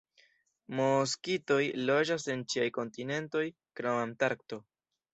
Moskitoj loĝas en ĉiaj kontinentoj krom Antarkto.